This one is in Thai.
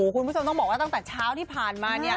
คุณผู้ชมต้องบอกว่าตั้งแต่เช้าที่ผ่านมาเนี่ย